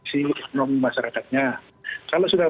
si ekonomi masyarakatnya kalau sudah